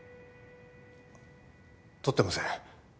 取ってません。